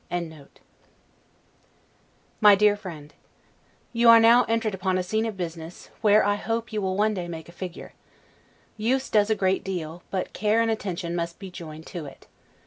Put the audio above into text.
] MY DEAR FRIEND: You are now entered upon a scene of business, where I hope you will one day make a figure. Use does a great deal, but care and attention must be joined to it.